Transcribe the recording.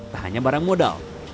tak hanya barang modal